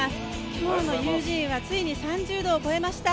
今日のユージーンはついに３０度を超えました。